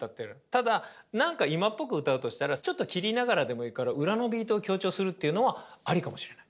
ただなんか今っぽく歌うとしたらちょっと切りながらでもいいから裏のビートを強調するっていうのはありかもしれない。